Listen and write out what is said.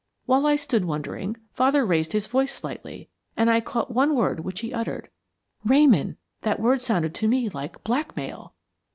While I stood wondering, father raised his voice slightly, and I caught one word which he uttered. Ramon, that word sounded to me like 'blackmail!'